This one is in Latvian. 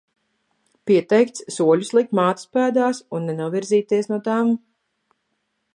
Pieteikts, soļus likt mātes pēdās un nenovirzīties no tām.